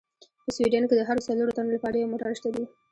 په سویډن کې د هرو څلورو تنو لپاره یو موټر شته دي.